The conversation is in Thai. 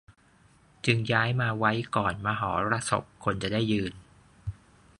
จึงย้ายมาไว้ก่อนมหรสพ คนจะได้ยืน